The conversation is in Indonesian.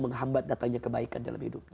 menghambat datanya kebaikan dalam hidupnya